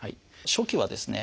初期はですね